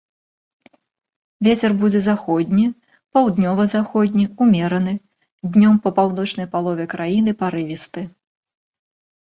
Вецер будзе заходні, паўднёва-заходні, умераны, днём па паўночнай палове краіны парывісты.